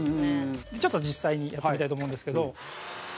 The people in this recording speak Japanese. ちょっと、実際にやってみたいと思うんですけど。